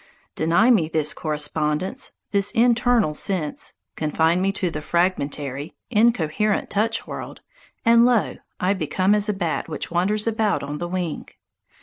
Deny me this correspondence, this internal sense, confine me to the fragmentary, incoherent touch world, and lo, I become as a bat which wanders about on the wing.